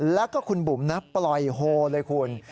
แล้วก็คุณบุ๋มนะปล่อยโฮเลยคุณ